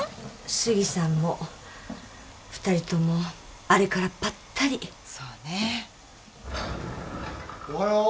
杉さんも２人ともあれからぱったりそうねおはよう